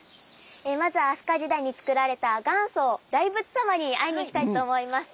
まずは飛鳥時代につくられた元祖大仏様に会いに行きたいと思います！